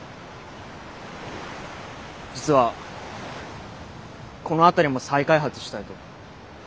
実はこの辺りも再開発したいと。